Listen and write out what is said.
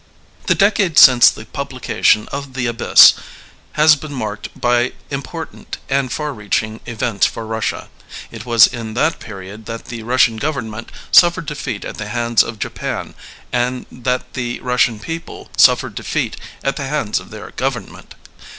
The decade since the publication of the Abyss has been marked by important and far reaching events for Russia. It was in that period that the Russian government suffered defeat at the hands of Japan, and that the Russian people suffered defeat at the hands of their government.